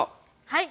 はい。